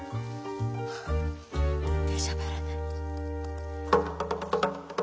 出しゃばらない。